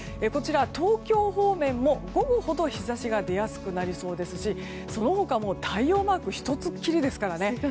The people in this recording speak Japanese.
東京方面も午後ほど日差しが出やすくなりそうですしその他も太陽マーク１つきりですからね。